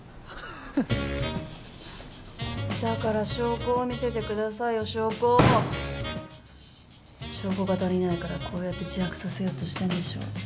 フッフフだから証拠を見せてくださいよ証拠を証拠が足りないからこうやって自白させようとしてんでしょ？